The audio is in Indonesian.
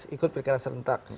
ikut pilkada serentak